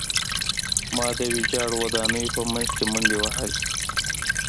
ما د ویجاړو ودانیو په منځ کې منډې وهلې